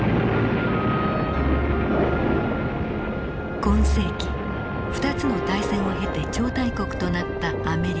今世紀２つの大戦を経て超大国となったアメリカ。